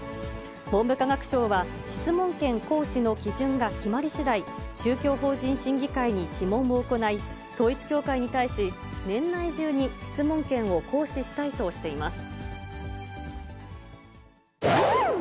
文部科学省は、質問権行使の基準が決まりしだい、宗教法人審議会に諮問を行い、統一教会に対し年内中に質問権を行使したいとしています。